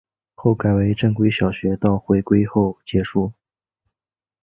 后改为正规小学到回归后结束。